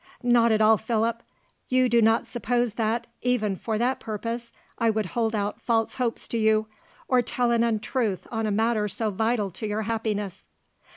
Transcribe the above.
"Not at all, Philip. You do not suppose that, even for that purpose, I would hold out false hopes to you; or tell an untruth on a matter so vital to your happiness."